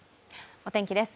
お天気です。